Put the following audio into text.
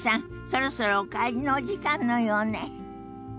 そろそろお帰りのお時間のようね。